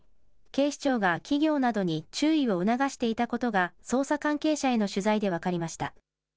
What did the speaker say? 警視庁が企業などに注意を促していたことが捜査関係者への取材で分かりました。